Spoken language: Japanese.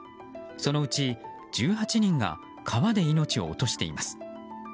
そのうち１８人が川で命を落としています。